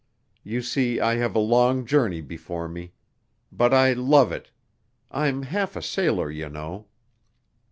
You see, I have a long journey before me. But I love it. I'm half a sailor, you know.